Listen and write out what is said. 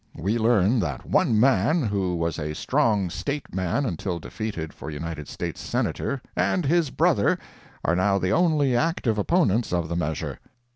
We learn that one man, who was a strong State man until defeated for United States Senator, and his brother, are now the only active opponents of the measure."